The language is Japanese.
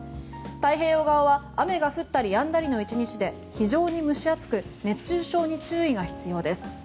太平洋側は雨が降ったりやんだりの１日で非常に蒸し暑く熱中症に注意が必要です。